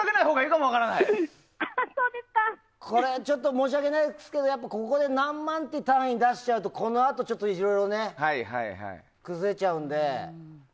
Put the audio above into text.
申し訳ないですけど、ここで何万っていう単位を出しちゃうとこのあといろいろ崩れちゃうので。